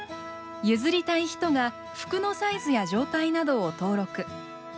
譲りたい人が服のサイズや状態などを登録。